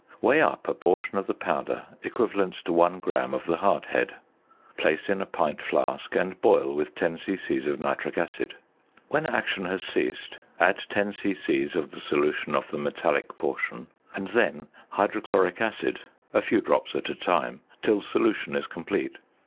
Weigh up a portion of the powder equivalent to 1 gram of the hardhead, place in a pint flask, and boil with 10 c.c. of nitric acid. When action has ceased add 10 c.c. of the solution of the metallic portion and then hydrochloric acid (a few drops at a time) till solution is complete.